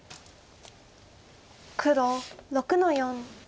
黒６の四。